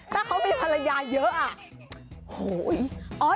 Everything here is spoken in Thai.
แต่เขามีภารยาเยอะ